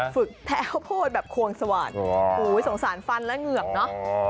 อย่าลืมฝึกแถวข้าวโป้นแบบควงสะหว่าสงสารฟันและเหงื่อบเนอะ